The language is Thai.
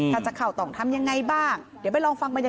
กันจะเข่าต่องทำยังไงบ้าง